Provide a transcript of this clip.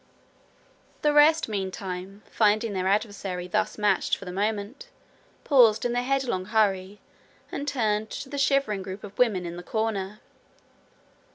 The rest meantime, finding their adversary thus matched for the moment, paused in their headlong hurry, and turned to the shivering group of women in the corner.